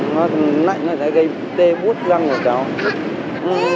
nó nạnh nó sẽ gây tê bút răng của bé